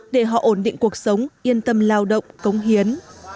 để họ ổn định cuộc sống yên tâm lao động cống hiến